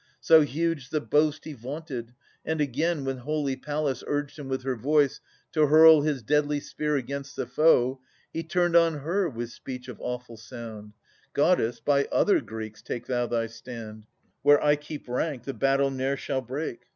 So huge the boast he vaunted ! And again When holy Pallas urged him with her voice To hurl his deadly spear against the foe, He turned on her with speech of awful sound :" Goddess, by other Greeks take thou thy stand ; Where I keep rank, the battle ne'er shall break."